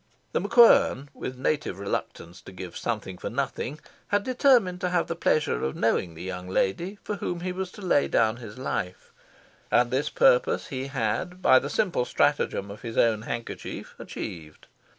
The MacQuern, with native reluctance to give something for nothing, had determined to have the pleasure of knowing the young lady for whom he was to lay down his life; and this purpose he had, by the simple stratagem of his own handkerchief, achieved.